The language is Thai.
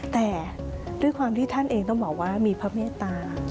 แต่ด้วยความที่ท่านเองต้องบอกว่ามีพระเมตตา